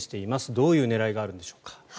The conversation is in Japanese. どういう狙いがあるんでしょうか。